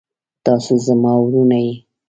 تاسو زما وروڼه يې.